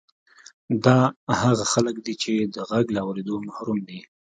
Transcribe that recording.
دا هغه خلک دي چې د غږ له اورېدو محروم دي